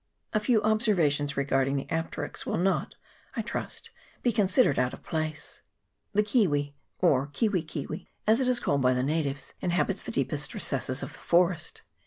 A few observations regarding the apterix will not, I trust, be considered out of place. The kiwi, or kiwi kiwi, as it is called by the natives, inhabits the deepest recesses of the forest.